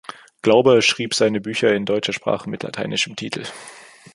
Glauber schrieb seine Bücher in deutscher Sprache mit lateinischem Titel.